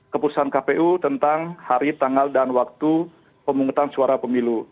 keputusan kpu tentang hari tanggal dan waktu pemungutan suara pemilu